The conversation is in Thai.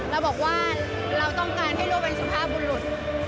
เราบอกว่าเราต้องการให้โลกเป็นสุภาพบุรุษ